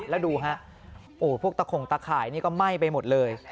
แล้วดูฮะพวกตะขงตะข่ายนี่ก็ไหม้ไปหมดเลย